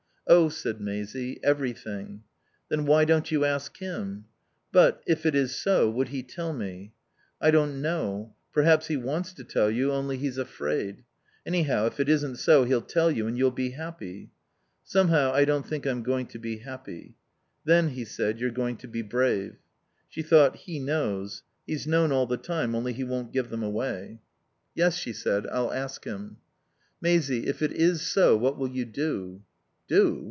"Oh," said Maisie, "everything." "Then why don't you ask him?" "But if it is so would he tell me?" "I don't know. Perhaps he wants to tell you, only he's afraid. Anyhow, if it isn't so he'll tell you and you'll be happy." "Somehow I don't think I'm going to be happy." "Then," he said, "you're going to be brave." She thought: He knows. He's known all the time, only he won't give them away. "Yes," she said, "I'll ask him." "Maisie if it is so what will you do?" "Do?